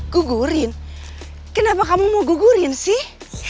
gugurin kenapa kamu mau gugurin sih